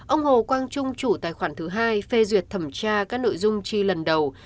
ông hồ quang trung chủ tài khoản thứ hai phê duyệt thẩm tra các nội dung chi lần đầu